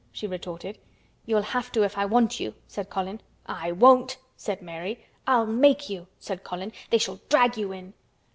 she retorted. "You'll have to if I want you," said Colin. "I won't!" said Mary. "I'll make you," said Colin. "They shall drag you in."